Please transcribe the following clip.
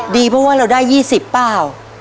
ดีเพราะว่าเราได้๒๐เปล่า